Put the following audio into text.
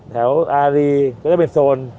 อารีก็จะเป็นโซน